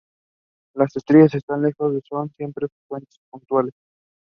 Las estrellas están tan lejos que son siempre fuentes puntuales.